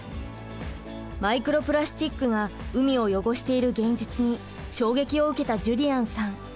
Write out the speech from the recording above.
マイクロプラスチックが海を汚している現実に衝撃を受けたジュリアンさん。